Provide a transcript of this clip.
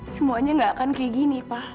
semuanya gak akan kayak gini pak